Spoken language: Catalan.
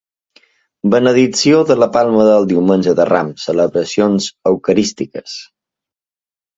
Benedicció de la palma el Diumenge de Rams, celebracions eucarístiques.